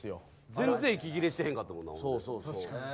全然息切れしてへんかったもんな。